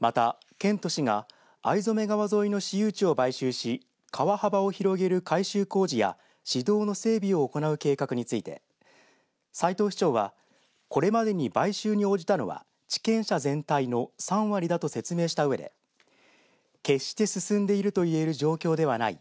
また、県と市が逢初川沿いの私有地を買収し川幅を広げる改修工事や市道の整備を行う計画について斉藤市長はこれまでに買収に応じたのは地権者全体の３割だと説明したうえで決して進んでいると言える状況ではない。